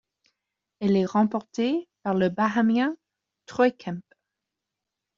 Elle est remportée par le Bahaméen Troy Kemp.